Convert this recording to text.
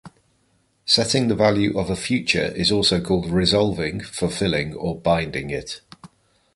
Setting the value of a future is also called "resolving", "fulfilling", or "binding" it.